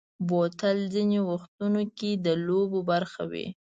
بوتل ځینې وختو کې د لوبو برخه وي.